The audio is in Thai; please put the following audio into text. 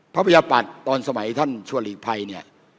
พระพยาปัตธิ์ตอนสมัยท่านชัวรีไพรเนี่ย